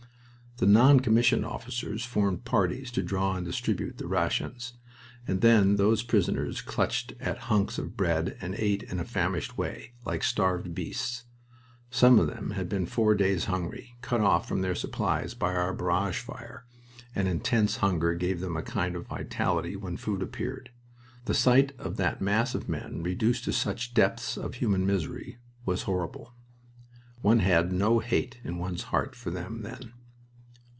The non commissioned officers formed parties to draw and distribute the rations, and then those prisoners clutched at hunks of bread and ate in a famished way, like starved beasts. Some of them had been four days hungry, cut off from their supplies by our barrage fire, and intense hunger gave them a kind of vitality when food appeared. The sight of that mass of men reduced to such depths of human misery was horrible. One had no hate in one's heart for them then.